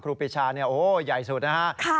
ครูปีชาเนี่ยโอ้ใหญ่สุดนะฮะ